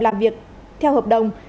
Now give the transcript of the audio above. làm việc theo hợp đồng